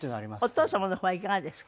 お父様の方はいかがですか？